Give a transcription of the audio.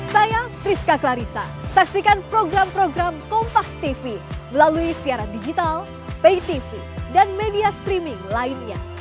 saya rizka klarissa saksikan program program kompastv melalui siaran digital paytv dan media streaming lainnya